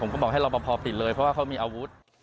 ก็บอกให้รอปภปิดเลยเพราะว่าเขามีอาวุธ